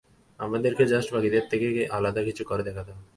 আমাদেরকে জাস্ট বাকিদের থেকে আলাদা কিছু করে দেখাতে হবে।